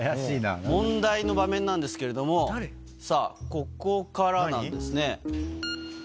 問題の場面なんですけれども、さあ、ここからなんですね。